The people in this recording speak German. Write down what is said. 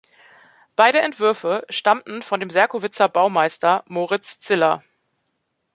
Beide Entwürfe stammten von dem Serkowitzer Baumeister Moritz Ziller.